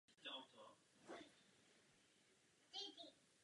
Ale přinejmenším jsme dokázali vést tyto diskuse velmi civilizovaným způsobem.